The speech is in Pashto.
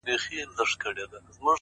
• چي هغه تللې ده نو ته ولي خپه يې روحه،